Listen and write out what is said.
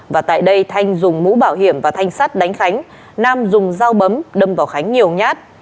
và tại đây thanh dùng mũ bảo hiểm và thanh sắt đánh khánh nam dùng dao bấm đâm vào khánh nhiều nhát